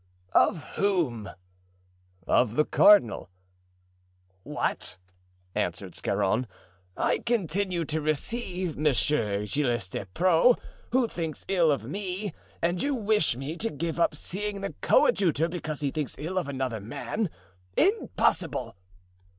"Of whom?" "Of the cardinal." "What?" answered Scarron, "I continue to receive Monsieur Gilles Despreaux, who thinks ill of me, and you wish me to give up seeing the coadjutor, because he thinks ill of another man. Impossible!"